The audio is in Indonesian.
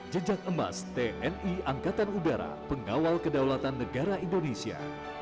jejak emas tni angkatan udara pengawal kedaulatan negara indonesia